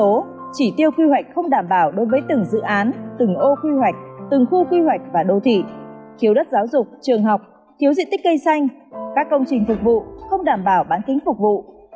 tình trạng tăng dân số chỉ tiêu quy hoạch không đảm bảo đối với từng dự án từng ô quy hoạch từng khu quy hoạch và đô thị khiếu đất giáo dục trường học thiếu diện tích cây xanh các công trình thực vụ không đảm bảo bán kính phục vụ